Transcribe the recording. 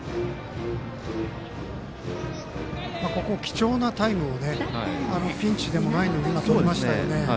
貴重なタイムをピンチでもないのにとりましたよね。